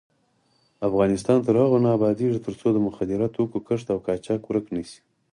افغانستان تر هغو نه ابادیږي، ترڅو د مخدره توکو کښت او قاچاق ورک نشي.